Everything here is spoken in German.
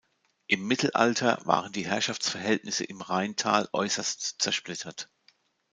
Im Mittelalter waren die Herrschaftsverhältnisse im Rheintal äusserst zersplittert.